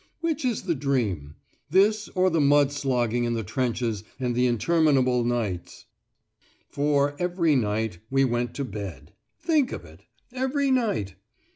Which is the dream? this, or the mud slogging in the trenches and the interminable nights? For, every night we went to bed! Think of it! Every night!